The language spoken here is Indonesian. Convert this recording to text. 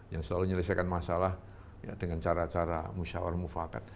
yang selalu menyelesaikan masalah dengan cara cara musyawar musyawar